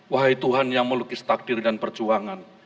wahai tuhan yang melukis takdir dan perjuangan